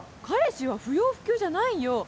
彼氏は不要不急じゃないよ！